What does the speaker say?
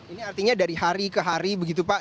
ini artinya dari hari ke hari begitu pak